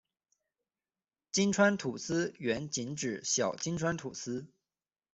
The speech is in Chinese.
金川土司原仅指小金川土司。